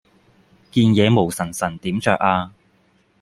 件嘢毛鬠鬠點著呀